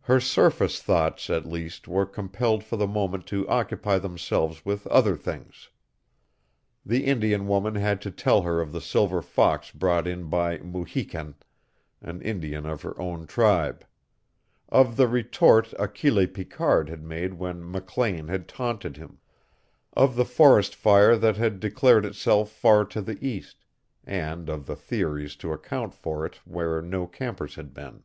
Her surface thoughts, at least, were compelled for the moment to occupy themselves with other things. The Indian woman had to tell her of the silver fox brought in by Mu hi ken, an Indian of her own tribe; of the retort Achille Picard had made when MacLane had taunted him; of the forest fire that had declared itself far to the east, and of the theories to account for it where no campers had been.